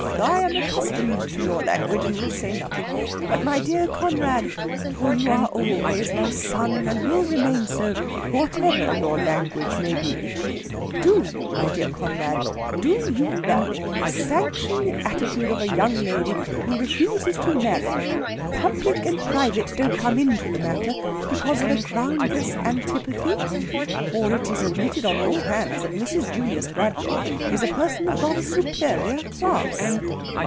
"I am accustomed to your language, and will say nothing. But, my dear Conrad, for you are always my son, and will remain so, whatever your language may be, do you, my dear Conrad, do you really sanction the attitude of a young lady who refuses to marry public and private don't come into the matter because of a groundless antipathy? For it is admitted on all hands that Mrs. Julius Bradshaw is a person of rather superior class."